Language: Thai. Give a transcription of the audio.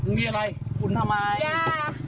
มีอะไรคุณทำไมย่า